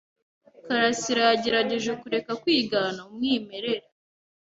Karasirayagerageje kureka kwigana umwimerere.